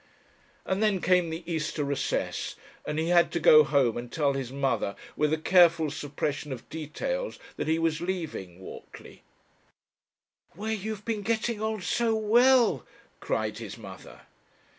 And then came the Easter recess, and he had to go home and tell his mother, with a careful suppression of details, that he was leaving Whortley, "Where you have been getting on so well!" cried his mother.